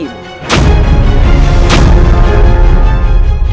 dengan jurus brajamu sendiri